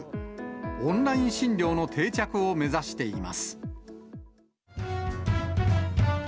オンライン診療の定着を目指しています。